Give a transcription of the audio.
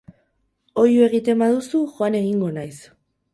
Ohiu egiten baduzu, joan egingo naiz.